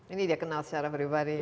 ini dia kenal secara beribadi ya